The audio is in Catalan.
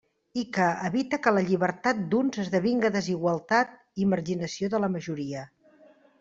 I que evite que la llibertat d'uns esdevinga desigualtat i marginació de la majoria.